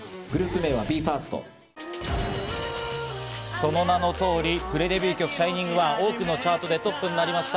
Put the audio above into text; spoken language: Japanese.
その名の通りプレデビュー曲『ＳｈｉｎｉｎｇＯｎｅ』、多くのチャートでトップになりました。